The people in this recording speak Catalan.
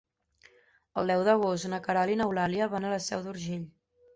El deu d'agost na Queralt i n'Eulàlia van a la Seu d'Urgell.